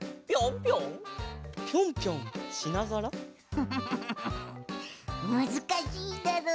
フフフフフフむずかしいだろう。